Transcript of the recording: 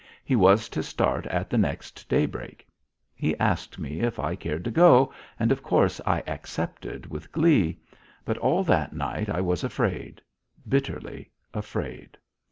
He was to start at the next daybreak. He asked me if I cared to go, and, of course, I accepted with glee; but all that night I was afraid. Bitterly afraid.